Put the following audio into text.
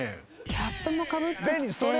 キャップはかぶったよ。